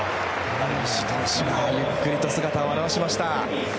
ダルビッシュ投手がゆっくりと姿を現しました。